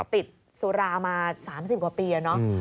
ติดสุรามา๓๐กว่าปีอะเนาะ